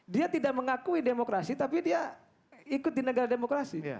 dia tidak mengakui demokrasi tapi dia ikut di negara demokrasi